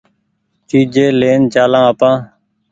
چيجي لين چآلآن آپان